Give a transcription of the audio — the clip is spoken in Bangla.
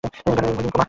গানের ভলিউম কমা!